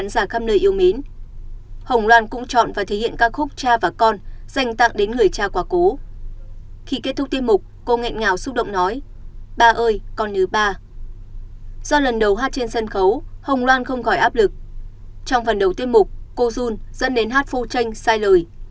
trong phần đầu tiêm mục cô jun dẫn đến hát phô tranh sai lời